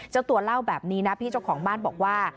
เจ้าตัวเล่าแบบนี้นะพี่เจ้าของบ้านบอกว่า